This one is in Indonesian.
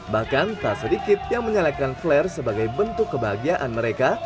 bahkan tak sedikit yang menyalakan flare sebagai bentuk kebahagiaan mereka